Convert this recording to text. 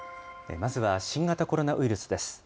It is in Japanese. まずは新型コロナウイルスです。